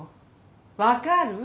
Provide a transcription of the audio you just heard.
分かる？